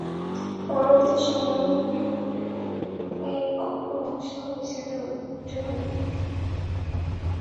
পরবর্তী সময়ে ভল্লুক এর অপভ্রংশ হিসেবে উৎপত্তি ঘটে ভালুকা নামের।